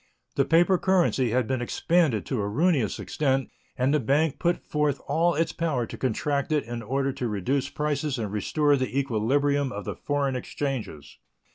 The paper currency had been expanded to a ruinous extent, and the bank put forth all its power to contract it in order to reduce prices and restore the equilibrium of the foreign exchanges.